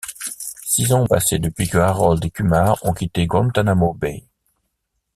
Six ans ont passé depuis que Harold et Kumar ont quitté Guantanamo Bay.